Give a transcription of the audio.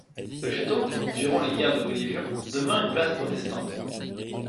Le château, durant les guerres de Religion, devint une place protestante.